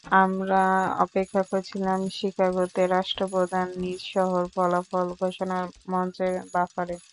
আমরা অপেক্ষা করছিলাম শিকাগোতে রাষ্ট্রপ্রধানের নিজ শহরে, ফলাফল ঘোষণার মঞ্চের বাফারে।